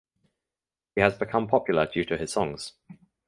He has become popular due to his songs.